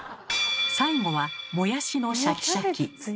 最後はモヤシのシャキシャキ。